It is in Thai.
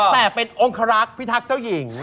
แต่เป็นองครักษ์พิทักษ์เจ้าหญิง